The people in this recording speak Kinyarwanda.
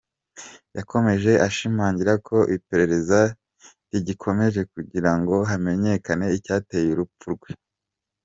Yakomeje ashimangira ko iperereza rigikomeje kugira ngo hamenyekane icyateye urupfu rwe.